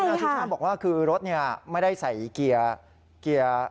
แล้วที่คุณบอกว่าคือรถไม่ได้ใส่เกียร์เกียร์